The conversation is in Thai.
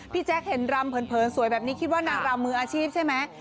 แจ๊คเห็นรำเผินสวยแบบนี้คิดว่านางรำมืออาชีพใช่ไหม